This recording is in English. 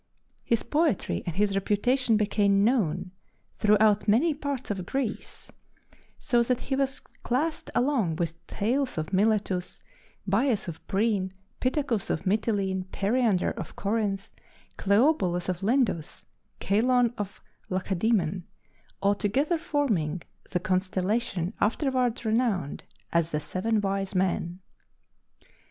His poetry and his reputation became known throughout many parts of Greece, so that he was classed along with Thales of Miletus, Bias of Priene, Pittacus of Mitylene, Periander of Corinth, Cleobulus of Lindus, Cheilon of Lacedæmon altogether forming the constellation afterward renowned as the seven wise men.